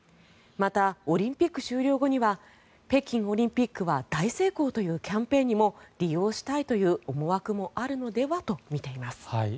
また、オリンピック終了後には北京オリンピックは大成功というキャンペーンにも利用したいという思惑もあるのではと見ています。